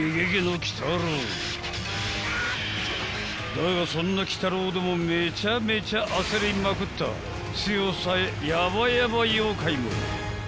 ［だがそんな鬼太郎でもめちゃめちゃ焦りまくった強さヤバヤバ妖怪も］